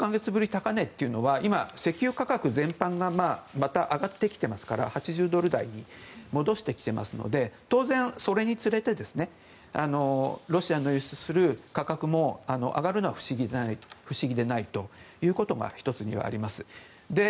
高値というのは今、石油価格全般がまた上がってきていますから８０ドル台に戻してきてますので当然、それにつれてロシアの輸出する価格も上がるのは不思議でないということが１つにはあります。